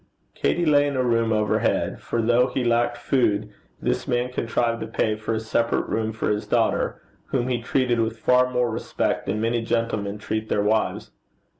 Katey lay in a room overhead; for though he lacked food, this man contrived to pay for a separate room for his daughter, whom he treated with far more respect than many gentlemen treat their wives.